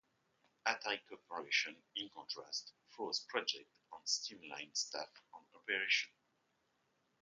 Atari Corporation, in contrast, froze projects and streamlined staff and operations.